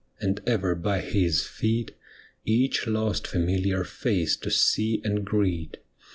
And ever by His feet Each lost familiar face to sec and greet.